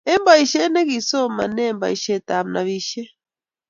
eng boishet negisomaneeboishetab nobishet